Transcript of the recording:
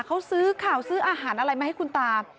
เขาซื้อข่าวซื้ออาหารอะไรมาให้คุณตา